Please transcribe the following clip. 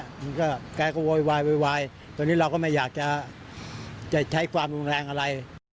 มันก็แก้เขาโว้ยตอนนี้เราก็ไม่อยากจะใช้ความดุงแรงอะไร